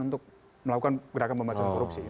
untuk melakukan gerakan pemberantasan korupsi